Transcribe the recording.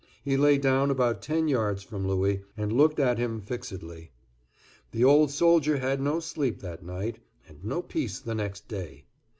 He lay down about ten yards from Louis, and looked at him fixedly. The old soldier had no sleep that night, and no peace the next day.